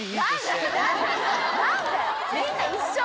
⁉みんな一緒！